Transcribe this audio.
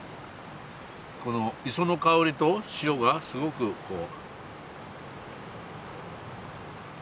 この磯の香りと塩がすごくこう。